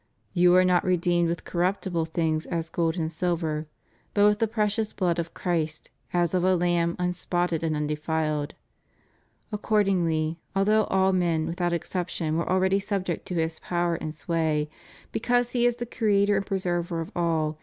You are not redeemed with corruptible things ds gold and silver ... but with the frecious blood of Christ, as of a lamb unspotted and undefiled} Accordingly, although all men without ex ception were already subject to His power and sway, because He is the Creator and Preserver of all.